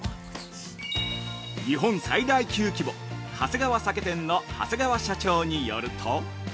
日本最大級規模、はせがわ酒店の長谷川社長によると。